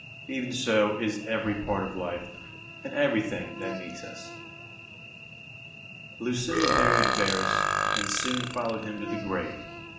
Even so is every part of life, and everything that meets us. 25. Lucilla buried Verus, and soon followed him to the grave.